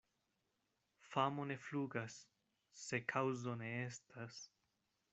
Famo ne flugas, se kaŭzo ne estas.